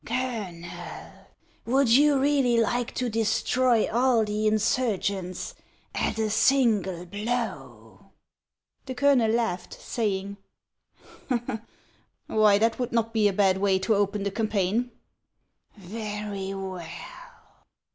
" Colonel, would you really like to destroy all the insurgents at a single blow ?" The colonel laughed, saying, " Why, that would not be a bad way to open the campaign." " Very well